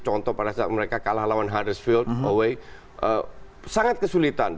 contoh pada saat mereka kalah lawan huddersfield sangat kesulitan